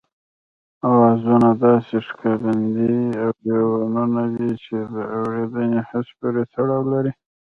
آوازونه داسې ښکارندې او يوونونه دي چې د اورېدني حس پورې تړاو لري